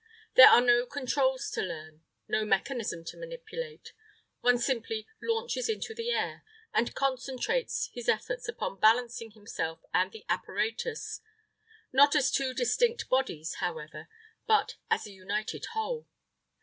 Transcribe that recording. There are no controls to learn, no mechanism to manipulate. One simply launches into the air, and concentrates his efforts upon balancing himself and the apparatus; not as two distinct bodies, however, but as a united whole.